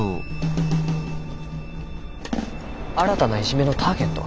新たないじめのターゲット？